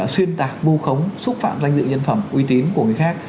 xuyên tạc vu khống xúc phạm danh dự nhân phẩm uy tín của người khác